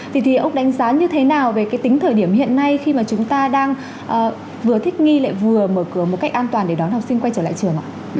thì ông đánh giá như thế nào về cái tính thời điểm hiện nay khi mà chúng ta đang vừa thích nghi lại vừa mở cửa một cách an toàn để đón học sinh quay trở lại trường ạ